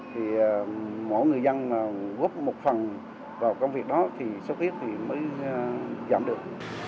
thì mỗi người dân góp một phần vào công việc đó thì xuất huyết thì mới giảm được